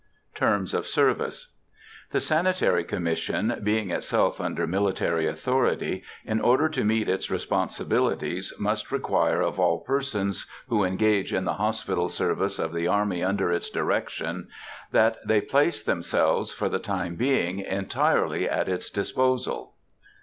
TERMS OF SERVICE. The Sanitary Commission, being itself under military authority, in order to meet its responsibilities, must require of all persons who engage in the hospital service of the army under its direction, that they place themselves, for the time being, entirely at its disposal.